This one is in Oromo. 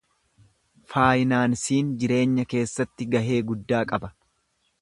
Faaynaansiin jireenya keessatti gahee guddaa qaba.